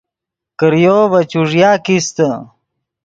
کریو ڤے چوݱیا کیستے